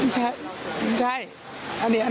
ปี๖๕วันเช่นเดียวกัน